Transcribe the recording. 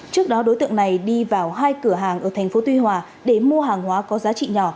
trước đó đối tượng này đi vào hai cửa hàng ở thành phố tuy hòa để mua hàng hóa có giá trị nhỏ